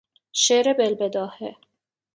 شعر بالبداهه